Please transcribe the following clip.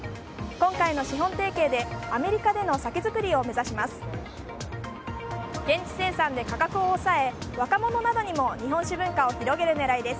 今回の資本提携でアメリカでの酒造りを目指します。